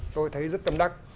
tôi thấy rất tâm đắc